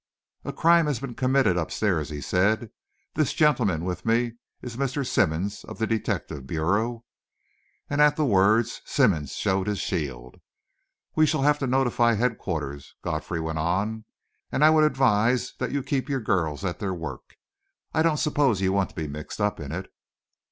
"A crime has been committed upstairs," he said. "This gentleman with me is Mr. Simmonds, of the detective bureau," and at the words Simmonds showed his shield. "We shall have to notify headquarters," Godfrey went on, "and I would advise that you keep your girls at their work. I don't suppose you want to be mixed up in it."